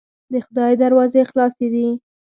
د خدای دروازې خلاصې دي.